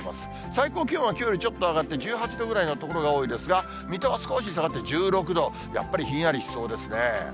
最高気温はきょうよりちょっと上がって、１８度ぐらいの所が多いですが、水戸は少し下がって１６度、やっぱりひんやりしそうですね。